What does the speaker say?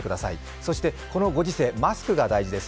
そしてこのご時世、マスクが大事です。